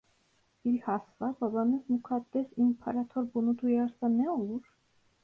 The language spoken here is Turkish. Bilhassa babanız mukaddes İmparator bunu duyarsa ne olur?